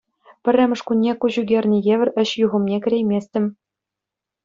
Пӗрремӗш кунне куҫ ӳкернӗ евӗр ӗҫ юхӑмне кӗрейместӗм.